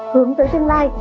hướng tới tương lai